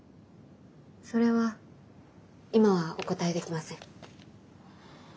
それは今はお答えできません。